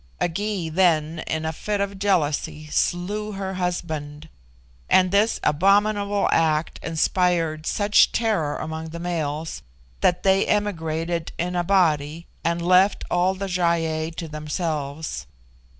A Gy, then, in a fit of jealousy, slew her husband; and this abominable act inspired such terror among the males that they emigrated in a body and left all the Gy ei to themselves.